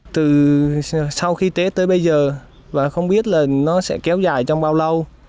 từ sau khi tới bây giờ và không biết là nó sẽ kéo dài trong bao lâu